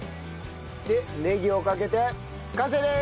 でネギをかけて完成です！